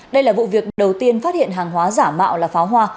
đây là vụ việc đầu tiên phát hiện hàng hóa giả mạo là pháo hoa